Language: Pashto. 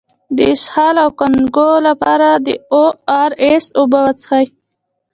د اسهال او کانګو لپاره د او ار اس اوبه وڅښئ